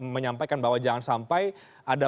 menyampaikan bahwa jangan sampai ada